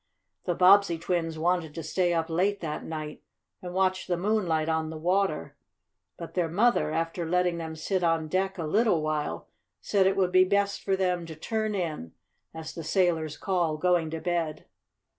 The Bobbsey twins wanted to stay up late that night, and watch the moonlight on the water, but their mother, after letting them sit on deck a little while, said it would be best for them to "turn in," as the sailors call going to bed.